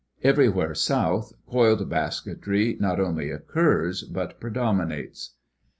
Everywhere south coiled basketry not only occurs but predominates.